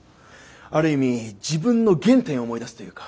ある意味自分の原点を思い出すというか。